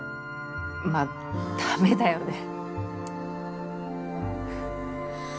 まあ駄目だよね。